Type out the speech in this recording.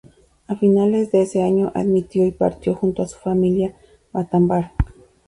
A finales de ese año dimitió y partió junto a su familia a Battambang.